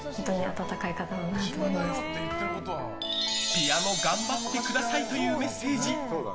ピアノがんばってくださいというメッセージ。